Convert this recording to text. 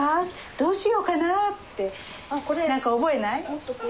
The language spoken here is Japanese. どうしようかな？」って何か覚えない？